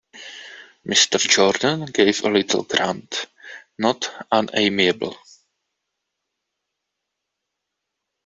Mr. Jordan gave a little grunt, not unamiable.